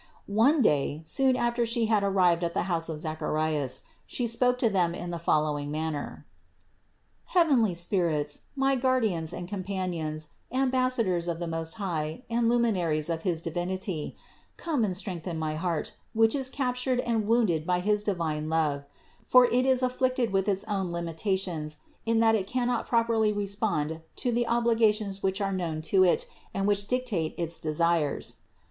One day, soon after She had arrived at the house of Zacha rias, She spoke to them in the following manner : "Heav enly spirits, my guardians and companions, ambassadors of the Most High and luminaries of his Divinity, come and strengthen my heart, which is captured and wounded by his divine love; for it is afflicted with its own limita tions in that it cannot properly respond to the obliga tions which are known to it and which dictate its de sires.